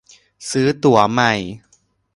ซื้อตั๋วใหม่